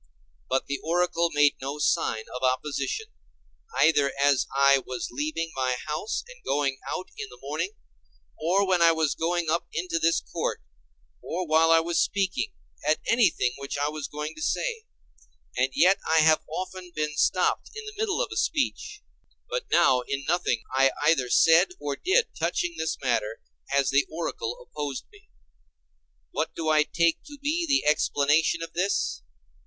But the oracle made no sign of opposition, either as I was leaving my house and going out in the morning, or when I was going up into this court, or while I was speaking, at anything which I was going to say; and yet I have often been stopped in the middle of a speech; but now in nothing I either said or did touching this matter has the oracle opposed me. What do I take to be the explanation of this?